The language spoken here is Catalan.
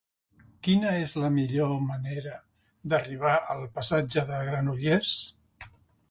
Quina és la millor manera d'arribar al passatge de Granollers?